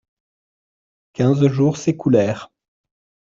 Quinze jours s'écoulèrent.